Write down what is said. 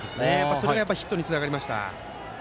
それがヒットにつながりました。